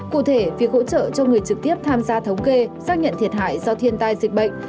cụ thể việc hỗ trợ cho người trực tiếp tham gia thống kê xác nhận thiệt hại do thiên tai dịch bệnh